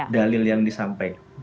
dalil yang disampaikan